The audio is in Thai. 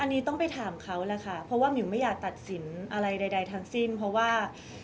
อันนี้ต้องไปถามเขาแหละค่ะเพราะว่ามิวไม่อยากตัดสินอะไรใดทั้งสิ้นเพราะว่า